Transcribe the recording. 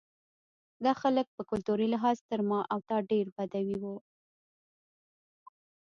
دا خلک په کلتوري لحاظ تر ما او تا ډېر بدوي وو.